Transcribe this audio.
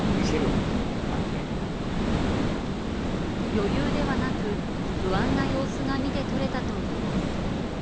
余裕ではなく不安な様子が見て取れたといいます。